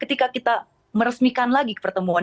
ketika kita meresmikan lagi pertemuan